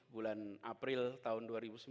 bulan april tahun dua ribu sembilan belas